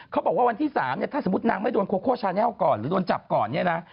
เขาบอกว่าวันที่๓เนี่ยถ้าสมมุตินางไม่โดนโคโคชาแนลก่อนหรือโดนจับก่อนเนี่ยนะ